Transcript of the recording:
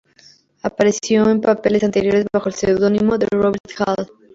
Apareció en papeles anteriores bajo el seudónimo de Robert Hall.